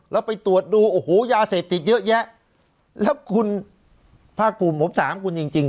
แล้วไปตรวจดูโอ้โหยาเสพติดเยอะแยะแล้วคุณภาคภูมิผมถามคุณจริงจริง